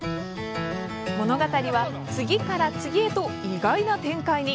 物語は次から次へと意外な展開に。